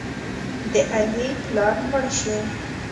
د علي پلار مړ شو.